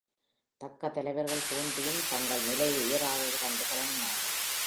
தக்க தலைவர்கள் தோன்றியும் தங்கள் நிலையுயராதது கண்டு கலங்கினார்கள்.